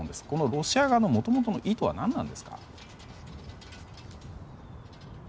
このロシア側のもともとの意図は何なんでしょうか？